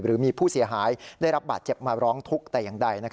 หรือมีผู้เสียหายได้รับบาดเจ็บมาร้องทุกข์แต่อย่างใด